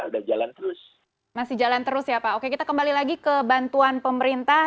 dan kita kembali lagi nih ke bantuan pemerintah